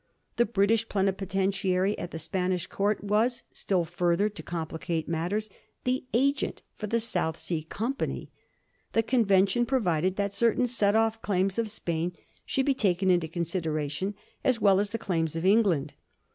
The British plenipotentiary at the Spanish Court was — ^still further to complicate matters — the agent for the South Sea Com pany. The convention provided that certain set off claims of Spain should be taken into consideration as well as the claims of England.